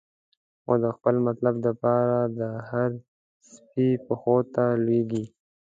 خو د خپل مطلب د پاره، د هر سپی پښو ته لویږی